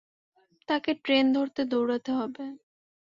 তাকে ট্রেন ধরতে দৌড়াতে হবে।